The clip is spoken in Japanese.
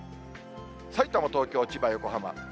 さいたま、東京、千葉、横浜。